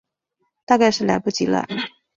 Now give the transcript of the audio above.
大概是来不及了